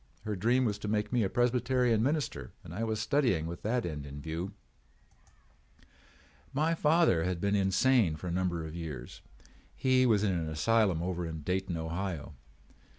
Her dream was to make me a Presbyterian minister and I was studying with that end in view. "My father had been insane for a number of years. He was in an asylum over at Dayton, Ohio.